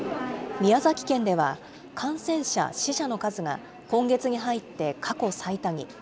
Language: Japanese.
宮崎県では、感染者、死者の数が今月に入って過去最多に。